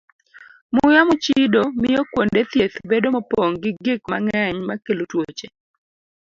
Muya mochido miyo kuonde thieth bedo mopong' gi gik mang'eny makelo tuoche.